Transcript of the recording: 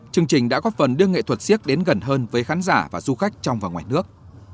chương trình đã góp phần đưa nghệ thuật siếc đến gần hơn với khán giả và du khách trong và ngoài nước